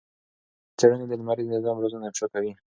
داسې څېړنې د لمریز نظام رازونه افشا کوي.